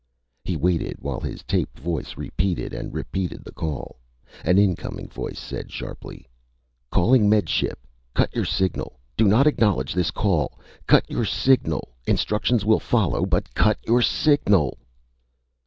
He waited while his taped voice repeated and re repeated the call. An incoming voice said sharply: "_Calling Med Ship! Cut your signal! Do not acknowledge this call! Cut your signal! Instructions will follow. But cut your signal!